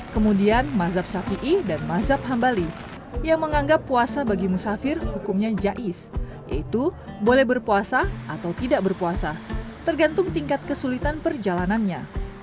kemudian mazhab ⁇ fii ⁇ dan mazhab hambali yang menganggap puasa bagi musafir hukumnya jais yaitu boleh berpuasa atau tidak berpuasa tergantung tingkat kesulitan perjalanannya